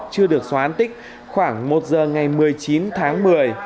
chưa được xóa an tích khoảng một giờ ngày một mươi chín tháng một mươi